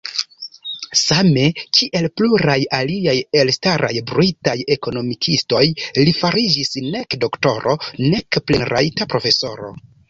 Same kiel pluraj aliaj elstaraj britaj ekonomikistoj, li fariĝis nek doktoro nek plenrajta profesoro.